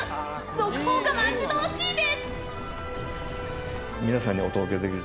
続報が待ち遠しいです！